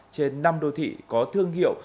trên năm đô thị có thương hiệu